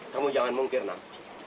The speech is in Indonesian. kamu jangan mungkir nam